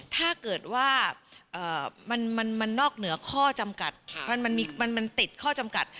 ถ้าเกิดว่ามันนอกเหนือข้อจำกัดค่ะมันมีมันมันเต็ดข้อจำกัด